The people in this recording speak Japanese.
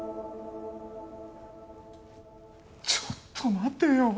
ちょっと待てよ。